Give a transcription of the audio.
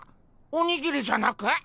おにぎりじゃなく？